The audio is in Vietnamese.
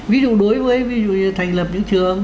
ví dụ đối với thành lập những trường